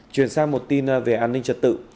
chuyển sang một tin về an ninh trật tự